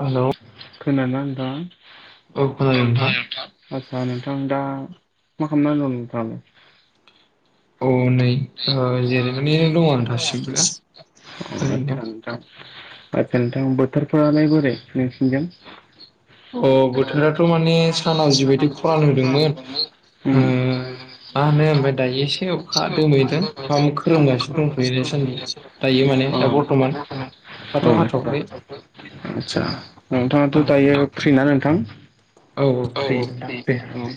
Hello खोनादों ना नोंथां? औ खोनादों नोंथां अ नोंथां दा मा खालामना दं नोंथां? औ नै ओ नै जिरायनानैनो [unintelligible] दङ [unintelligible] आं नोंथां दासिमबो आदसा ओरैनो नोंथां बोथोरफोरालाय बोरै नोंसिनजों अ बोथोराथ' माने सानाव जिबायदि खरान होदोंमोन। उम मा होनो ओमफाय दायो एसे अखा [unintelligible] हादों। आससा दासान्दि दायो माने दा बर्थ'मान अखाथ' हाथ'वाखै नोंथाङाथ' औ दायो फ्रिना नोंथां? औ फ्रि औ नोंथां फ्रि औ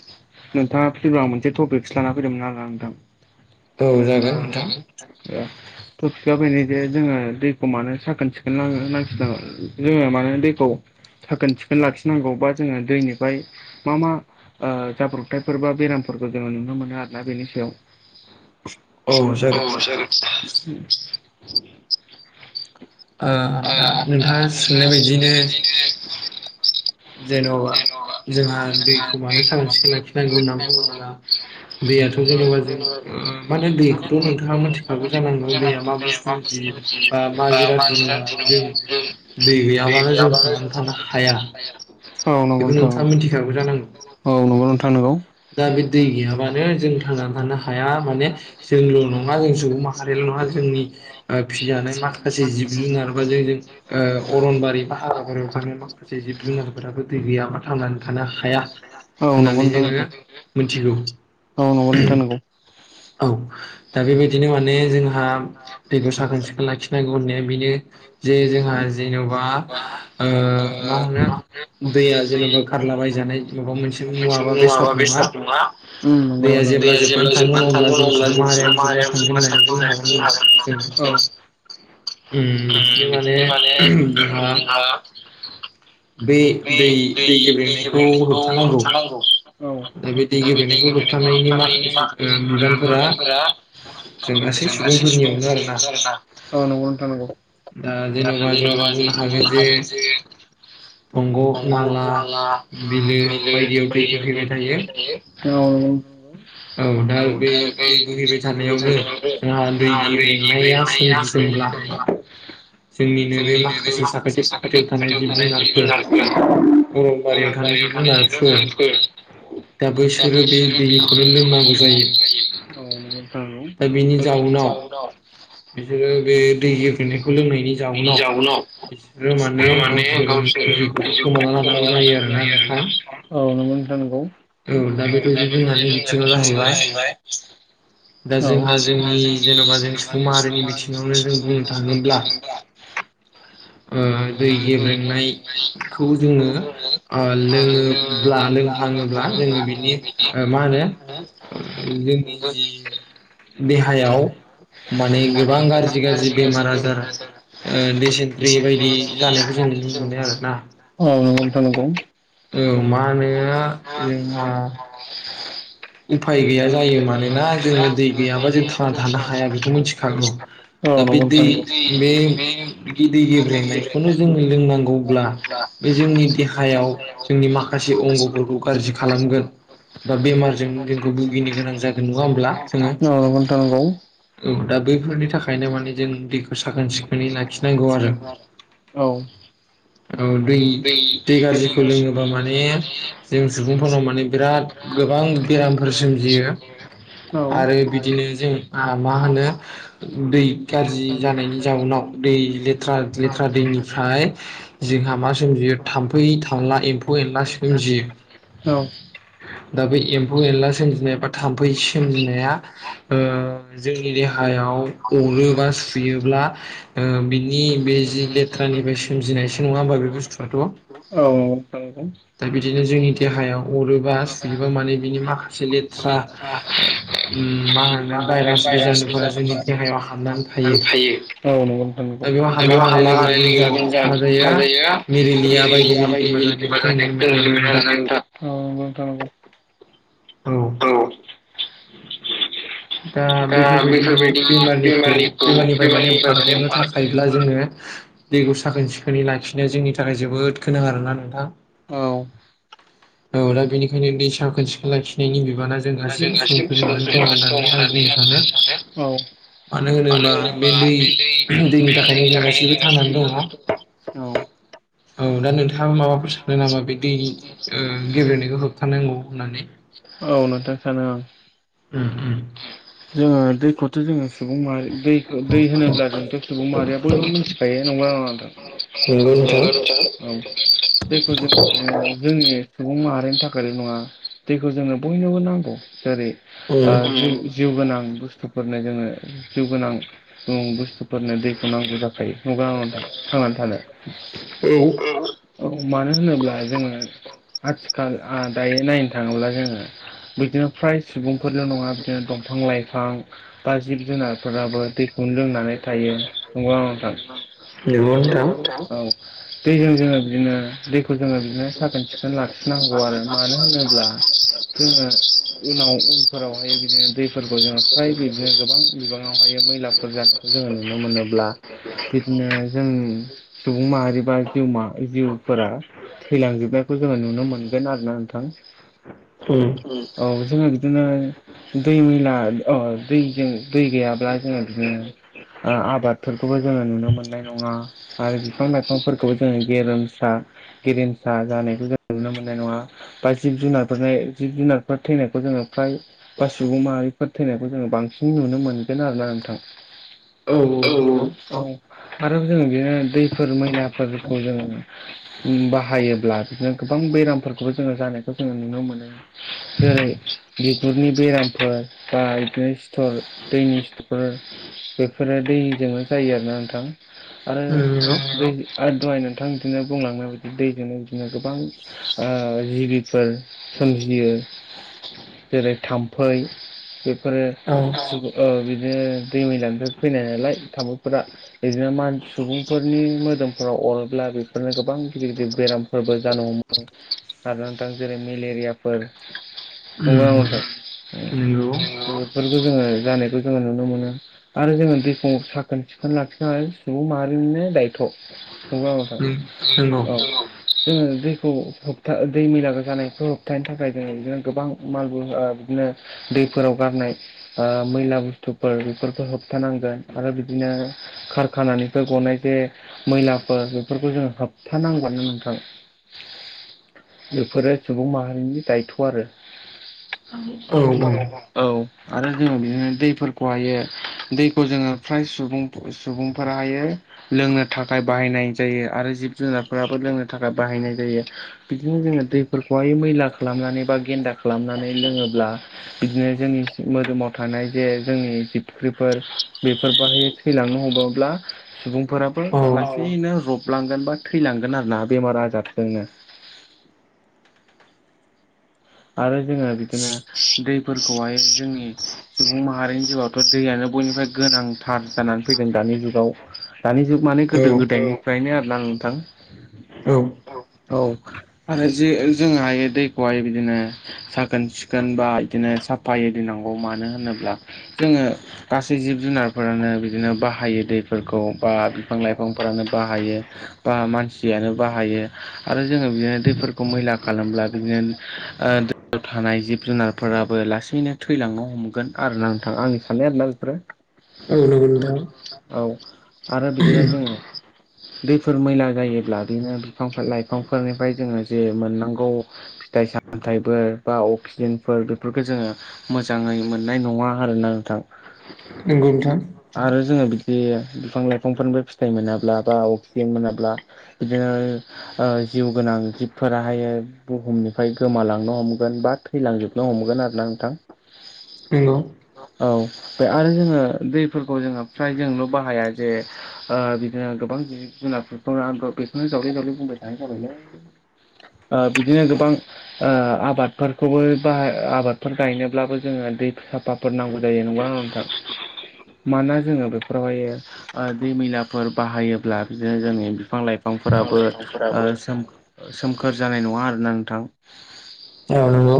नोंथाङा फ्रिबा आं मोनसे टपिकसो लाना फैदोंमोन आरो ना नोंथां। औ जागोन नोंथां जागोन। टपिकआ बेनो जे जोङो दैखौ मानो साखोन सिखोन नाङो [unintelligible] जोङो मानो दैखौ साखोन सिखोन लाखिनांगौ बा जोङो दैनि फ्राय मा मा ओ जाब्रबथायफोर बा बेरामफोरखौ जोङो नुनो मोनो आरोना बेनि सायाव औ जागोन औ जागोन। ओ दा नोंथाङा सोंनाय बायदियैनो जेन'बा जोंहा दैखौ मानो साखोन सिखोन लाखिनांगौ होनना बुङोब्ला दैयाथ' जेन'बा जों उम माने दैखौथ' नोंथाङा मिथिखागौ जानांगौ दैया मा बुस्थु जि ओ मा जिराद [unintelligible] बा दै दै गैयाबानो जों थांनानै थानो हाया औ नंगौ बेखौ नोंथा नोंथाङा मिथिखागौ जानांगौ। औ नोंगौ नोंथां नोंगौ। दा बे दै गैयाबानो जों थांनानै थानो हाया माने जोंल' नङा जों सुबुं माहारिल' नङा जोंनि ओ फिजानाय माखासे जिब जुनार बा जों अरनबारि बा हाग्राबारि थानाय माखासे जिब जुनारफोराबो दै गैयाबा थांनानै थानो हाया। औ नंगौ होननानै नोंथां जोङो नंगौ मोन्थिगौ। औ नंगौ नोंथां नंगौ औ दा बेबायदिनो माने जोंहा दैखौ साखोन सिखोन लाखिनांगौ होननाया बिनो जे जोंहा जेन'बा ओ मा होनो दैया जेनेबा गारलाबाया जानाय माबा मोनसे मुवा बा बेसाद नङा। दैया जे दैया जेब्ला जोबनानै थांगोन अब्ला जों सुबुं जोबना माहारिया [inaudible] थांगोन होननानै बुंनो हागोन जों अम बिदिनो माने जोंहा बै दै दै गेब्रेंनायखौ होबथानांगौ। औ दा बै दै गेब्रेंनाय खौ होबथानायनि माखासे बिबानफोरा जों गासै सुबुंफोरनि [unintelligible] आरोना औ नंगौ नोंथां नंगौ ओ दा जेनेबा जों बुंनो हायो जे दंग, नाला, बिलो बिलो‌ दै बायदियाव बोहैबाय दैबो थायो फैबाय थायो औ नंगौ। औ [inaudible] [unintelligible] दा बे दै बोहैबाय थानायावनो जोंहा दै गेब्रेंनाया सोमजिदोंब्ला जोंनिनो बे माखासे साखाथि फाखाथियाव थानायनि जिब अरनबारियाव थानाय जिब जुनारफोर जुनार [inaudible] दा बैसोरो [inaudible] बे दैखौनो औ लोंनांगौ जायो नोंगौ नोंथां दा बेनि नोंगौ। जाउनाव जावुनाव बिसोरो बे दै गेब्रेनाय खौ लोंनायनि जाउनाव बिसोरो माने गावसोर जिउखौ खोमाना लानांगौ जायो आरो जायो आरोना नोंथां। औ नंगौ नोंथां नंगौ। औ दा बेथ' जिब जुनारनि बिथिङाव जाहैबाय [inaudible] दा औ जोंहा जोंनि जेन'बा जेनेबा जों सुबुं माहारिनि [inaudible] बिथिङावनो जों बुंनो थाङोब्ला ओ दै गेब्रेंनायखौ जोङो ओ लोङोब्ला लों आङोब्ला जोङो बिनि ओ मा होनो जोंनि जि देहायाव माने गोबां गारज्रि गाज्रि बेमार आजार ओ दिसेनट्रि बायदि जानायखौ जों नुनो मोनो आरोना। अ नंगौ नोंथां नंगौ। औ मानोना जोंहा उफाय गैया जायो मानोना जोङो दै गैयाबा जों थांना थानो हाया बेखौ मोनथिखागौ‌ औ दा बे नंगौ दै बे नोंथां नंगौ दै गेब्रेंनायखौनो जोङो लोंनांगौब्ला बे जोंनि देहायाव जोंनि माखासे अंगफोरखौ गाज्रि खालामगोन बा बेमार जों जींखौ भुगिनो गोनां जागोन नङा हब्ला जोङो औ दा बैफोरनि थाखाय खायनो माने जों दैखौ साखोन सिखोनै लाखिनांगौ आरो। औ दै दै गारज्रिखौ लोङोबा माने जों सुबुंफोरनाव माने बिराद गोबां बेरामफोर सोमजियो औ आरो बिदिनो जोंहा मा होनो दै [inaudible] गाज्रि जानायनि जाउनाव दै लेथ्रा लेथ्रा दैनिफ्राय जोंहा मा सोमजियो थाम्फै थामला एम्फौ एनला सोमजियो। औ दा बे एम्फौ एनला सोमजिनाय बा थाम्फै सोमजिनाया ओ जोंनि देहायाव अरो बा सुयोब्ला बिनि बे जि लेथ्रा आनिफ्राय सोमजिनायसो नङा ओमबा बे बुस्थुआथ' औ दा बिदिनो नोंथां जोंनि देहायाव नंगौ अरोबा सुयोबा [inaudible] माने बिनि [inaudible] माखासे लेथ्रा औ ओ दा उम बेयाव मा होनो हाबना भाइरास बिजानुफोरा थानाय जोंनि देहायाव लोमजा हाबनानै थायो साजायो मेलेरिया दा बायदि बेयाव हाबना थानाय बायदि लोगो लोगोनो जोंहा बेमार मा जायो जानायखौ नुनो मेलेरिया बायदि मोनो बायदि बेमार जानायखौ आरोना जों नुनो मोनो आरोना नोंथां [inaudible] औ नंगौ नोंथां नंगौ औ दा बेफोरबायदि बेमारनिखौ बेमारनिफ्राय माने बारग'नो थाखायब्ला जोङो दैखौ साखोन सिखोनै लाखिनाया जोंनि थाखाय जोबोद गोनां आरोना नोंथां। औ औ दा बेनिखायनो दै साखोन सिखोन लाखिनायनि बिबाना जोंहासिम सखलिनानै [unintelligible] दङ। होननानै आं बुंनो सानो। औ मानो होनोबा बे दै दैनि थाखायनो जों गासिबो थानानै दङ। औ औ दा नों थां बे माबाफोर साननो नामा बे दै गेब्रेनायखौ होबथानांगौ होननानै औ नोंथां सानो‌ आं उम उम जोङो दैखौथ' जोङो सुबुं माहारि दै होनोब्ला जोंथ' सुबुं माहारिया बयबो मिथिखायो। नंगौना नङा नोंथां? नंगो नोंथां दैखौ जोङो जोंनि सुबुं माहारिनि थाखायल' नङा [inaudible] दैखौ जोंनो बयनोबो नांगौ जेरै उम जिउ गोनां बुस्थुफोरनो जोङो जिउ गोनां बुस्टु फोरनो दैखौ नांगौ जाखायो ना थांनानै थानो औ औ मानो होनोब्ला जोङो आथिखाल दायो नायनो थाङोब्ला जोङो बिदिनो फ्राय सुबुंफोरल' नङा बिदिनो दं। बिफां लाइफां बा जिब जुनारफोराबो दैखौनो लोंनानै थायो नांगौ ना नङा नोंथां औ दैजों जोङो बिदिनो दैखौ जोङो बिदिनो साखोन सिखोन लाखि नांगौ आरो मानो होनोब्ला जोङो उनाव उनफोरावहाय बिदिनो दै जोङो फ्राय बिदिनो गोबां बिबाङावहायो मैलाफोर जानायखौ जोङो नुनो मोनोब्ला बिनो जों सुबुं माहारि बा जिउफोरा थैलांजोबनायखौ जोङो आरो ना नोंथां उम जों बिदिनो दैनि लामायाव अ दैजों दै गैयाब्ला जोङो बिदिनो आबादफोरखौबो जोङो नुनो मोननाय नङा आरो बिफां लाइफांफोरखौबो जोङो गेरेमसा गेरेमसा जानायखौ जों नुनो मोननाय नङा बा जिब जुनारफोर जिब जुनारफोर थैनायखौ जोङो फ्राय बा सुबुं माहारि फोर थैनायखौ जोङो बांसिन नुनो मोनगोन आरोना नोंथां औ औ औ। आरो जों बिदिनो दैफोर मैलाफोरखौ जों बाहायोब्ला बिदिनो गोबां बेरामफोरखौबो जोङो जानायखौ जोङो नुनो मोनो जेरै बिगुरनि बेरामफोर बा बिदिनो सिथर दैनि सिथरफोर बेफोरो दैजोंनो जायो आरोना नोंथां। आरो नंगौ दहाय नोंथां बिदिनो बुंलांनाय बायदि दैजोंनो बिदिनो गोबां जिबिफोर सोमजियो जेरै थाम्फै बेफोरो बिदिनो दै मैलानिफोर फैनाय नालाय थामफैफोरा बिदिनो मान सुबुंफोरनि मोदोमफोराव अरोब्ला बेफोरनो गोबां गिदिर गिदिर बेरामफोरबो जानो हा आरो नोंथां जेरै मेलेरियाफोर नंगौ ना नङा उम नोंथां? नंगौ औ उम नंगौ फोरखौ जोङो जानायखौ जोङो नुनो मोनो। आरो जोङो दैखौ साखोन सिखोन लाखिना सुबुं माहारिनिनो दायथ' नंगौना नङा नोंथां उम नंगौ औ। जोङो दैखौ होबथा दै मैला जानायखौ होबथानो थाखाय जोङो बिदिनो गोबां मालबो ओ बिदिनो दैफोराव गारनाय ओ मैला बुस्थुफोर बेफोरखौ होबथानांगोन आरो बिदिनो खारखानानिफ्राय गनाय जे मैलाफोर बेफोरखौ जों होबथा नांगौ आनो नोंथां। बेफोरो सुबुं माहारिनि दायथ' आरो। औ औ। औ आरो जोङो बिदिनो दैफोरखौहायो दैखौ जोङो फ्राय सुबुं सुबुं फोराहायो लोंनो थाखाय बाहायनाय जायो आरो जिब जुनारफोराबो लोंनो थाखाय बाहायनाय जायो‌। बिदिनो जोङो दैफोरखौहाय मैला खालामनानै बा गेन्दा खालामनानै लोङोब्ला बिदिनो जोंनि मोदोमाव थानाय जे जोंनि जिबख्रिफोर बेफोर बाहाय थैला नो हम्ला सुबुंफोराबो औ लासैनो रबलांगोन बा थैलांगोन आरोना बेमार आजार जोंनो आरो जोङो बिदिनो दैफोरखौहाय जोंनि सुबुं माहारिनि जिउआवथ' दैयानो बयनिफ्राय गोनांथार जानानै फैदों दानि जुगाव दानि जुग माने औ गोदो गोदायनि फ्रायनो आरोना नोंथां। औ औ आरो जि जोंहाय दैखौहाय बिदिनो साखोन सिखोन बा इदिनो साफाय दिननांगौ मानो होनोब्ला जोङो गास सै जिब जुनारफोरानो बिदिनो बाहायो दैफोरखौ बा बिफां लाइफांफोरानो बाहायो। बा मानसियानो बाहायो आरो जोङो बिदिनो दैफोरखौ मैला खालामब्ला बिदिनो ओ दैयाव थानाय जिब जुनारफोराबो लासैनो थैलांनो हमगोन आरो ना नोंथां आंनि साननाय नंगौ आरो नोंथां ना औ आरो बिदिनो जोङो दैफोर मैला जायोब्ला बिनो बिफां लाइफांफोरनिफ्राय जोङो जे मोननांगौ फिथाइ सा सामथायफोर बा अक्सिजेनफोर बेफोरखौ जोङो मोजाङै मोननाय नङा आरोना नोंथां। नोंगौ नोंथां। आरो जोङो बिदि बिफां लाइफांफोरनिबो फिथाइ मोनाब्ला बा अक्सिजेन मोनाब्ला बिदिनो ओ जिउ गोनां जिबफोराहायो बुहुमनि फ्राय गोमालांनो हमगोन बा थैलांजोबनो हमगोन आरोना नोंथां। नोंगौ। औ बे आरो जोङो दैफोरखौ जोंहा फ्राय जोंल' बाहाया जे ओ बिदिनो गोबां जिब जुनारफोरखौ बेखौनो जावले जावले बुंबाय थानाय जाबायलै ओ बिदिनो गोबां ओ आबादफोरखौबो बा आबादफोर गायनोब्लाबो जोङो दै साफाफोर नांगौ जायो। नंगौ ना नङा नोंथां? मानोना जोङो बेफोरावहायो ओ दै मैलाफोर बाहायोब्ला बिदिनो जोंनि बिफां लाइफांफोरा बिफां बो ओ लाइफांफोराबो सोम सोमखोर जानाय नङा आरोना नोंथां। औ नोंगौ।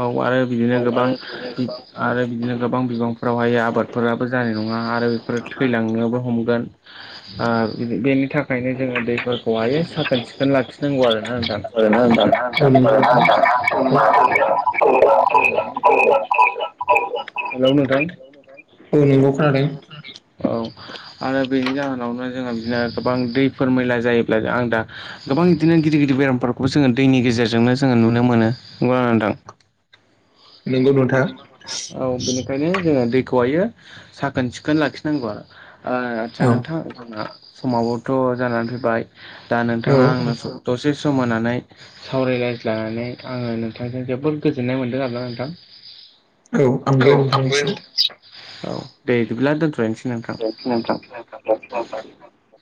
औ आरो बिदिनो गोबां गोबां आरो बिदिनो गोबां बिबांफोरावहाय आबादफोराबो जा नङा आरो बेफोर थैलांनोबो हमगोन ओ बेनि थाखायनो जोङो दैफोर हायो साखोन सिखोन लाखिनांगौ आरोना नोंथां खोनादोंना नोंथां? आरोना औ नोंथां। नंगौ [inaudible] हेलौ नोंथां। औ नंगौ खोनादों। औ आरो बेनि जाहोनावनो जोङो बिदिनो गोबां दैफोर मैला जायोब्ला आं दा गोबां बिदिनो गिदिर गिदिर बेमारफोरखौबो जोङो दैनि गेजेरजोंनो जोङो नुनो मोनो नंगौ ना नङा नोंथां? नंगौ नोंथां औ बेनिखायनो जोङो दैखौहायो साखोन सिखोन लाखिनांगौ आरो ओ आचसा औ नोंथां जोंना समाबोथ' जानानै फैबाय दा औ नोंथाङा आंनो दसे सम होनानै सावराय लायज्लानानै आङो नों नोंथांजों जोबोद गोजोननाय मोनदों आरोना नोंथां औ आंबो नोंथांनिसिम [unintelligible] औ दे बिदिब्ला दोनथ'लायनसै नोंथां [unintelligible] [unintelligible]